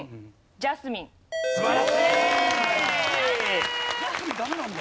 ジャスミンダメなんだ？